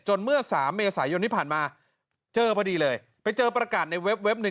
เมื่อสามเมษายนที่ผ่านมาเจอพอดีเลยไปเจอประกาศในเว็บหนึ่ง